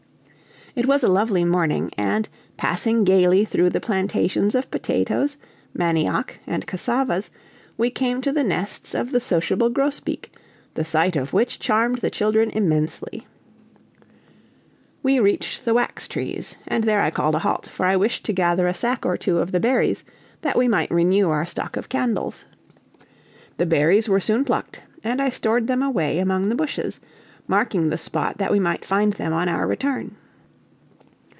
It was a lovely morning, and passing gayly through the plantations of potatoes, manioc, and cassavas, we came to the nests of the sociable grosbeak, the sight of which charmed the children immensely. We reached the wax trees, and there I called a halt, for I wished to gather a sack or two of the berries that we might renew our stock of candles. The berries were soon plucked; and I stored them away among the bushes, marking the spot that we might find them on our return.